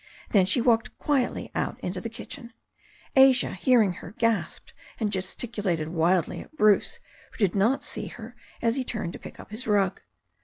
Then she walked quietly out into the kitchen. Asia, hearing her, gasped and gesticulated wildly at Bruce, who did not see her as he turned to pick up his rug.